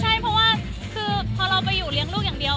ใช่เพราะว่าคือพอเราไปอยู่เลี้ยงลูกอย่างเดียว